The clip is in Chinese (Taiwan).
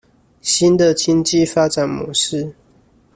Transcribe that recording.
新的經濟發展模式